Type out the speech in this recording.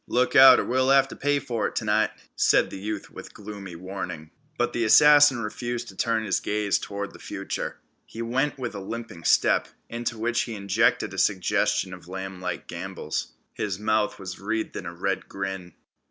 "Look out, or we'll have t' pay fer it t'night," said the youth with gloomy warning. But the assassin refused to turn his gaze toward the future. He went with a limping step, into which he injected a suggestion of lamblike gambols. His mouth was wreathed in a red grin.